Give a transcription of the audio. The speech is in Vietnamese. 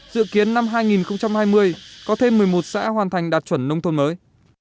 dự kiến năm hai nghìn hai mươi có thêm một mươi một xã hoàn thành đạt chuẩn nông thôn mới